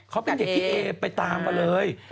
เขาเป็นเด็กพี่เอไปตามมาเลย